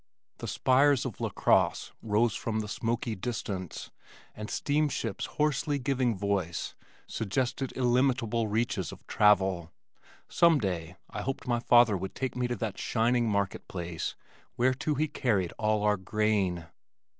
The spires of LaCrosse rose from the smoky distance, and steamships' hoarsely giving voice suggested illimitable reaches of travel. Some day I hoped my father would take me to that shining market place whereto he carried all our grain.